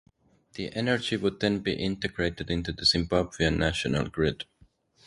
The energy would then be integrated into the Zimbabwean national grid.